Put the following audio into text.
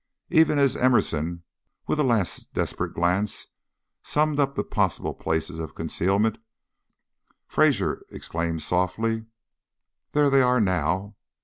Even as Emerson, with a last desperate glance, summed up the possible places of concealment, Fraser exclaimed, softly: "There they are now!"